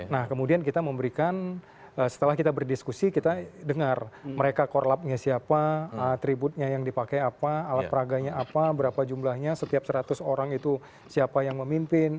nah kemudian kita memberikan setelah kita berdiskusi kita dengar mereka korlapnya siapa atributnya yang dipakai apa alat peraganya apa berapa jumlahnya setiap seratus orang itu siapa yang memimpin